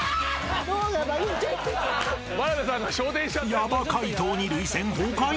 ［ヤバ解答に涙腺崩壊］